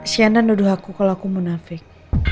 siana nuduh aku kalau aku munafik